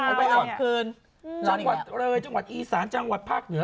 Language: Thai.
ชั่วงหวัดเรยชั่วงหวัดอีสานชั่วงหวัดภาคเหนือ